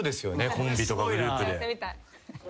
コンビとかグループで。